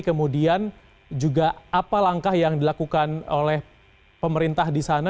kemudian juga apa langkah yang dilakukan oleh pemerintah di sana